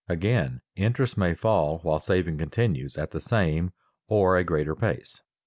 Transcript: Again, interest may fall while saving continues at the same or a greater pace.